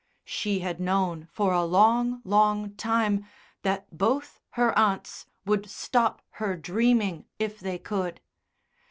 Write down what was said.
She had known for a long, long time that both her aunts would stop her "dreaming" if they could.